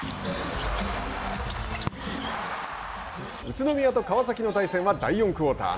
宇都宮と川崎の対戦は第４クオーター。